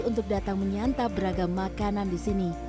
untuk datang menyantap beragam makanan di sini